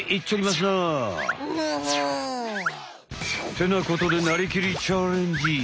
ってなことで「なりきり！チャレンジ！」。